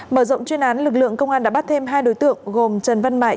mở rộng chuyên án lực lượng công an đã bắt thêm hai đối tượng gồm trần văn mại